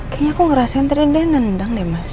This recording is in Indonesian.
kayaknya aku ngerasain tadi dia nendang deh mas